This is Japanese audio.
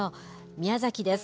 宮崎です。